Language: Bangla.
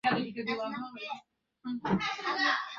বিশ্বে অস্তিত্বের প্রত্যেক স্তরেই এক অখণ্ড বস্তু রহিয়াছে।